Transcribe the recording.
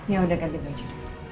ya udah ganti baju